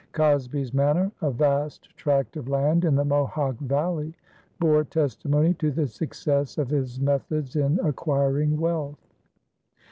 "Cosby's Manor," a vast tract of land in the Mohawk Valley, bore testimony to the success of his methods in acquiring wealth.